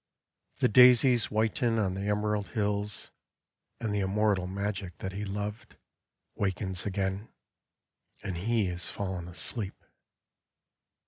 The daisies whiten on the emerald hills, And the immortal magic that he loved Wakens again — and he has fallen asleep."